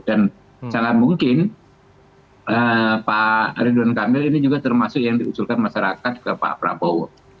dan sangat mungkin pak ridwan kambil ini juga termasuk yang diusulkan masyarakat ke pak prabowo